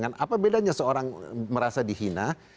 apa bedanya seorang merasa dihina